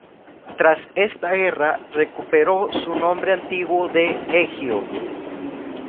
Tras esta guerra recuperó su nombre antiguo de Egio.